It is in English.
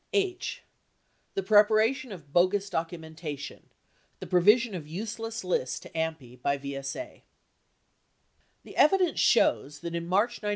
H. The Preparation of Bogus Documentation; the Provision of Useless Lists to AMPI by VSA The evidence shows that, in March 1972.